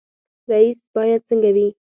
رئیس باید څنګه وي؟